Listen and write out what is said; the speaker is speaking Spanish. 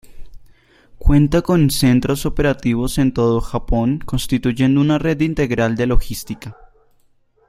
Cuenta con centros operativos en todo Japón, constituyendo una red integral de logística.